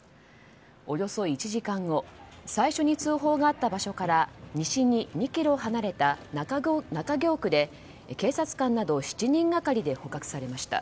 およそ１時間後最初に通報があった場所から西に２ｋｍ離れた中京区で警察官など７人がかりで捕獲されました。